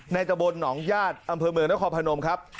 ตะบนหนองญาติอำเภอเมืองนครพนมครับ